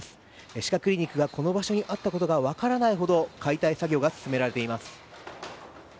歯科クリニックがこの場所にあったことが分からないほど解体作業が進められています。